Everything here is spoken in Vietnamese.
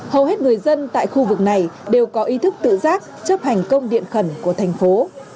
hầu hết người dân tại khu vực này đều có ý thức tự giác chấp hành công điện khẩn của thành phố